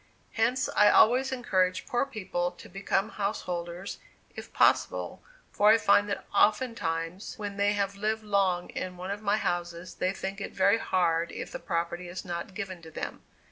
Hence I always encourage poor people to become householders if possible, for I find that oftentimes when they have lived long in one of my houses they think it very hard if the property is not given to them.